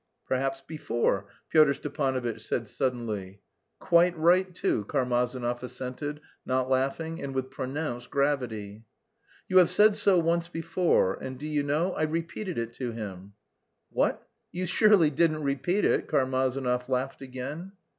"Perhaps before," Pyotr Stepanovitch said suddenly. "Quite right too," Karmazinov assented, not laughing, and with pronounced gravity. "You have said so once before, and, do you know, I repeated it to him." "What, you surely didn't repeat it?" Karmazinov laughed again.